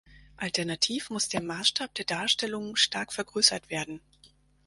Alternativ muss der Maßstab der Darstellung stark vergrößert werden.